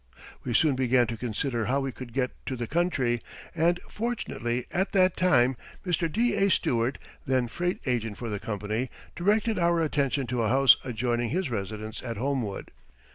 We soon began to consider how we could get to the country, and fortunately at that time Mr. D.A. Stewart, then freight agent for the company, directed our attention to a house adjoining his residence at Homewood.